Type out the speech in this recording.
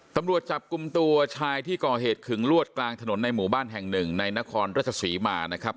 ตำรวจจับกลุ่มตัวชายที่ก่อเหตุขึงลวดกลางถนนในหมู่บ้านแห่งหนึ่งในนครราชศรีมานะครับ